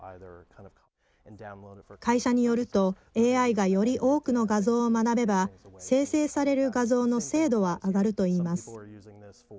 会社によるとＡＩがより多くの画像を学べば生成される画像の精度は上がると言います。